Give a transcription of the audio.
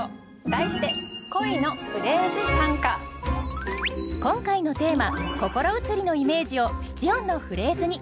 題して今回のテーマ「心移り」のイメージを七音のフレーズに。